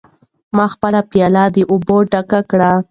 ما خپله پیاله د اوبو ډکه کړه.